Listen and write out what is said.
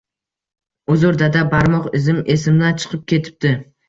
- Uzr, dada, barmoq izim esimdan chiqib ketibdi.